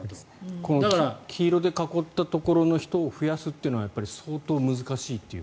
この黄色で囲ったところの人を増やすというのはやっぱり相当難しいという。